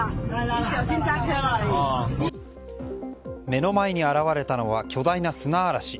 目の前に現れたのは巨大な砂嵐。